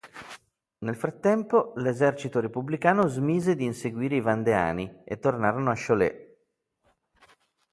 Nel frattempo, l'esercito repubblicano smise di inseguire i vandeani e tornarono a Cholet.